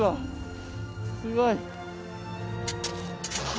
すごい。